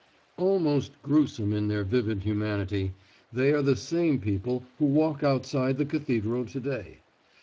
Almost grotesque in their vivid humanity, they are the same people who walk outside the cathedral to day.